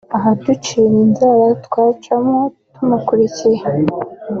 ahaducira inzira twacamo tumukurikiye